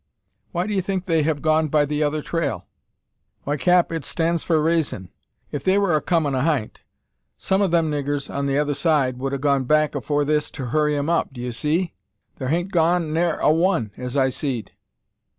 "Why do you think they have gone by the other trail?" "Why, cap, it stans for raison. If they wur a comin' ahint, some o' them niggurs on t'other side wud 'a gone back afore this to hurry 'em up, do 'ee see? Thur hain't gone ne'er a one, as I seed."